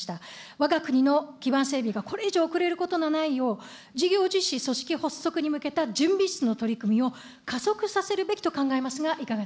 わが国の基盤整備がこれ以上遅れることのないよう、事業実施組織発足に向けた準備室の取り組みを加速させるべきと考